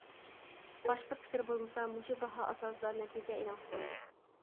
باشقا پىكىر بولمىسا مۇشۇ باھا ئاساسىدا نەتىجە ئېلان قىلىنىدۇ.